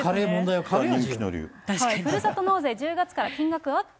ふるさと納税１０月から金額アップ。